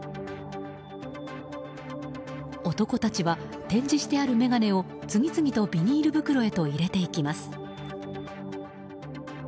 男たちは展示してある眼鏡を次々とビニール袋へと入れていきます。